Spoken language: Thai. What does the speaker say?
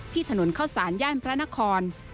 ถนนเข้าสารย่านพระนคร